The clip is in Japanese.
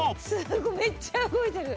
すごいめっちゃ動いてる！